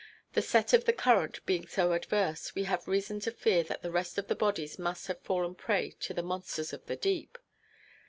The set of the current being so adverse, we have reason to fear that the rest of the bodies must have fallen a prey to the monsters of the deep.